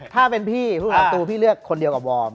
ถ้าเป็นพี่พี่เลือกคนเดียวกับวอร์ม